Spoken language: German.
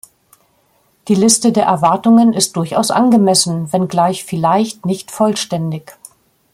Die Liste der Erwartungen ist durchaus angemessen, wenngleich vielleicht nicht vollständig.